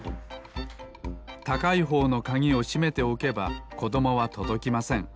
たかいほうのかぎをしめておけばこどもはとどきません。